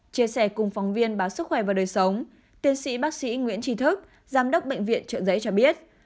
chia sẻ cùng phóng viên báo sức khỏe và đời sống tiến sĩ bác sĩ nguyễn trí thức giám đốc bệnh viện trợ giấy cho biết